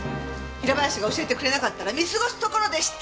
平林が教えてくれなかったら見過ごすところでした！